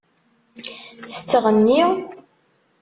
Tettɣenni?